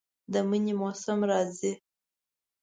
د منی موسم راځي